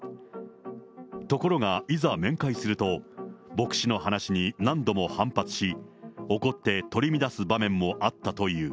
ところが、いざ面会すると、牧師の話に何度も反発し、怒って取り乱す場面もあったという。